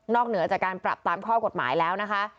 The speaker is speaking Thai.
เหนือจากการปรับตามข้อกฎหมายแล้วนะคะ